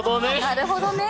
なるほどね。